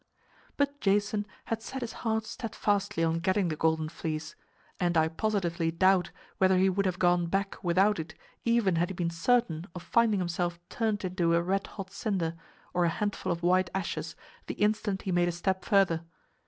But Jason had set his heart steadfastly on getting the Golden Fleece, and I positively doubt whether he would have gone back without it even had he been certain of finding himself turned into a red hot cinder, or a handful of white ashes the instant he made a step further.